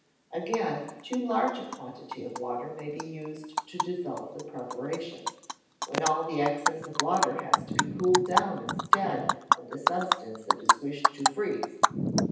Again, too large a quantity of water may be used to dissolve the preparation, when all the excess of water has to be cooled down instead of the substance it is wished to freeze.